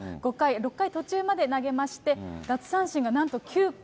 ６回途中まで投げまして、奪三振がなんと９個。